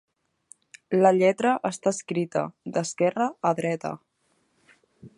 La lletra està escrita d'esquerra a dreta.